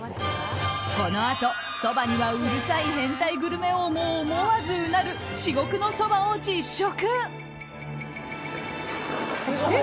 このあと、そばにはうるさい変態グルメ王も思わずうなる至極のそばを実食！